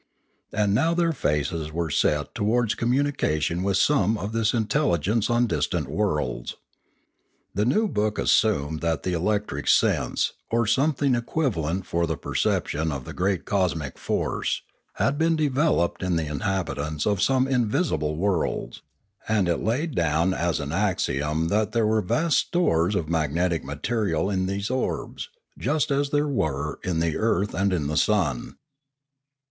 And now their faces were set towards communication with some of this intelligence on distant worlds. The new book assumed that the electric sense, or something equivalent for the perception of the great cosmic force, had been developed in the inhabitants of some invisible worlds; and it laid down as an axiom that there were 478 Limanora vast stores of magnetic material in these orbs, just as there were in the earth and in the sun.